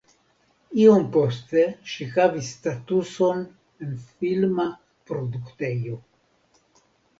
Iom poste ŝi havis statuson en filma produktejo.